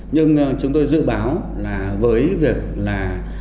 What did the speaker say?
nhưng chúng tôi dự báo là với việc là